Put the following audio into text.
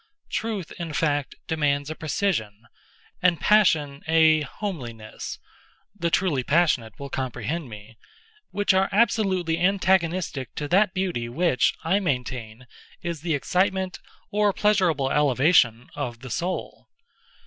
Truth, in fact, demands a precision, and Passion, a homeliness (the truly passionate will comprehend me) which are absolutely antagonistic to that Beauty which, I maintain, is the excitement, or pleasurable elevation, of the soul.